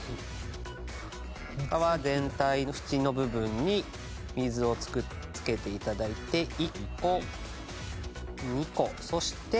皮全体の縁の部分に水をつけて頂いて１個２個そして３個。